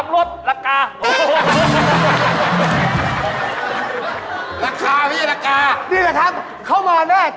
เมื่อกี้ไม่จุดนี้แล้วไปจุดนั้นแหละ